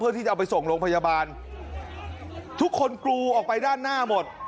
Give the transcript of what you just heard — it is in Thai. ที่จะเอาไปส่งโรงพยาบาลทุกคนกรูออกไปด้านหน้าหมด